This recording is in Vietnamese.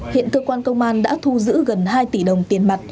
hiện cơ quan công an đã thu giữ gần hai tỷ đồng tiền mặt